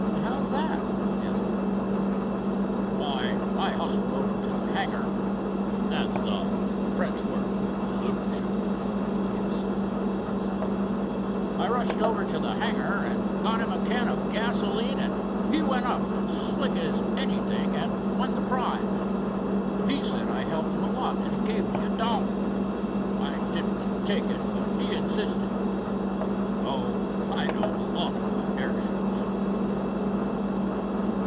"How's that?" asked the reporter. "Why I hustled over to the hangar—that's the French word for a balloon shed," he explained condescendingly, "I rushed over to the hangar and got him a can of gasoline and he went up as slick as anything and won the prize. He said I helped him a lot, and he gave me a dollar. I didn't want to take it, but he insisted. Oh, I know a lot about airships."